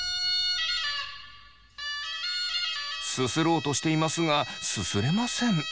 すすろうとしていますがすすれません。